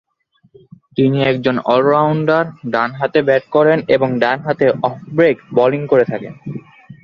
তিনি একজন অল-রাউন্ডার, ডান হাতে ব্যাট করেন এবং ডান-হাতে অফ ব্রেক বোলিং করে থাকেন।